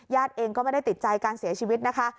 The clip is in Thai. เองก็ไม่ได้ติดใจการเสียชีวิตนะคะ